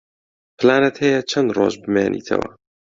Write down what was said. پلانت هەیە چەند ڕۆژ بمێنیتەوە؟